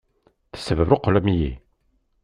Tessebṛuqlem-iyi!